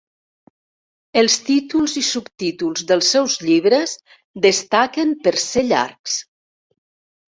Els títols i subtítols dels seus llibres destaquen per ser llargs.